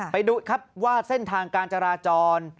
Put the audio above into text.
ไปดูครับว่าเส้นทางการจราจร